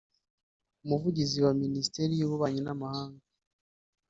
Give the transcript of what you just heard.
Umuvugizi wa Minisiteri y’Ububanyi n’Amahanga